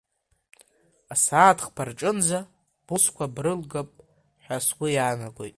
Асааҭ хԥа рҿынӡа бусқәа брылгап ҳәа сгәы иаанагоит.